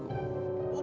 buar bubar dah lo